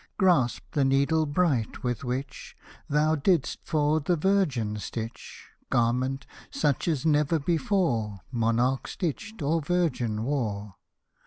Grasp the needle bright with which Thou didst for the Virgin stitch Garment, such as ne'er before Monarch stitched or Virgin wore.